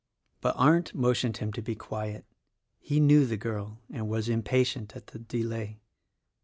But Arndt motioned him to be quiet — he knew the girl and was impatient at the delay.